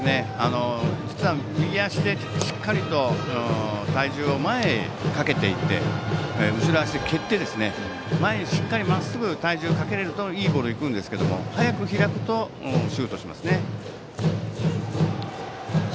実は右足でしっかりと体重を前にかけていって後ろ足で蹴って、前にまっすぐ体重をかけられるといいボールが行くんですけど早く開くとシュートしますね。